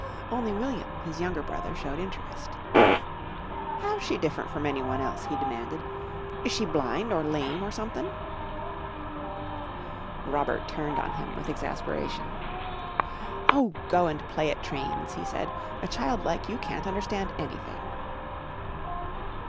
Only William, his young brother, showed interest. "How's she different from anyone else?" he demanded. "Is she blind or lame or sumthin'?" Robert turned on him with exasperation. "Oh, go and play at trains!" he said. "A child like you can't understand anything."